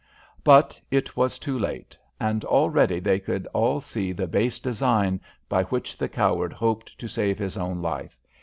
But it was too late, and already they could all see the base design by which the coward hoped to save his own life.